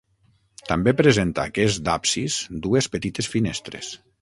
També presenta aquest absis dues petites finestres.